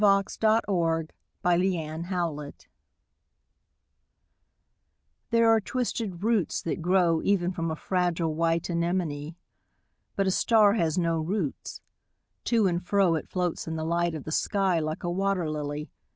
DiqllzodbvCoOgle STAR SONG These are twisted roots that grow Even from a fragile white anemone. 'But a star has no roots : to and fro It floats in the light of the sky, like a wat«r ]ily.